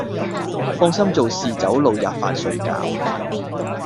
放心做事走路喫飯睡覺，